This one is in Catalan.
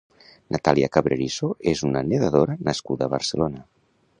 Natalia Cabrerizo és una nedadora nascuda a Barcelona.